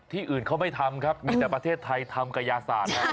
อื่นเขาไม่ทำครับมีแต่ประเทศไทยทำกระยาศาสตร์